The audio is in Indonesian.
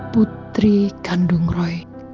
putri kandung roy